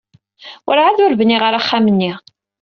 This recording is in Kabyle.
Werɛad ur bniɣ ara axxam-nni.